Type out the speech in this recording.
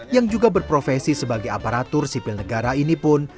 yang juga berprofesi sebagai aparatur sipil negara ini pun